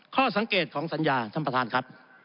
ข้อสังเกตของสัญญาท่านประธานครับ